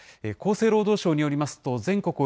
厚生労働省によりますと、全国